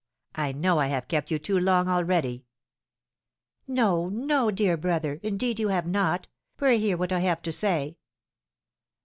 I know I have kept you too long already." "No, no, dear brother, indeed you have not. Pray hear what I have to say!"